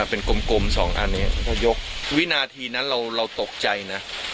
อ่ะเป็นกลมกลมสองอันนี้ก็ยกวินาทีนั้นเราเราตกใจนะ